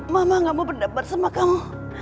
mama gak mau berdampak sama kamu